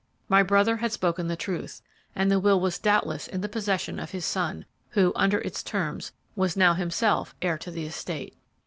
My brother had spoken the truth, and the will was doubtless in the possession of his son, who, under its terms, was now himself heir to the estate.